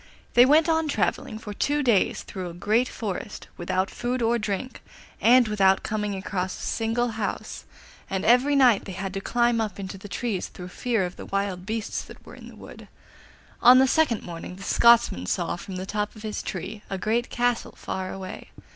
They went on travelling for two days through a great forest, without food or drink, and without coming across a single house, and every night they had to climb up into the trees through fear of the wild beasts that were in the wood. On the second morning the Scotsman saw from the top of his tree a great castle far away.